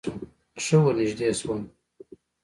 ښه ورنژدې سوم.